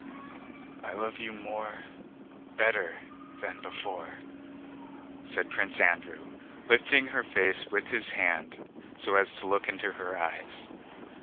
"I love you more, better than before," said Prince Andrew, lifting her face with his hand so as to look into her eyes.